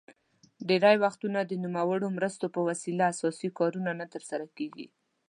ډیری وختونه د نوموړو مرستو په وسیله اساسي کارونه نه تر سره کیږي.